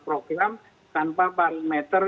program tanpa parameter